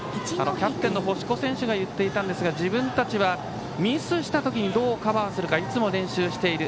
キャプテンの星子選手が言っていたんですが自分たちはミスした時にどうカバーするかいつも練習している。